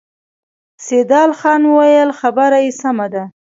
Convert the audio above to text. سيدال خان وويل: خبره يې سمه ده.